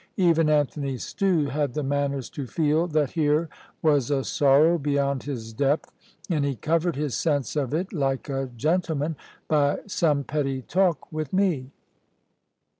Even Anthony Stew had the manners to feel that here was a sorrow beyond his depth, and he covered his sense of it, like a gentleman, by some petty talk with me.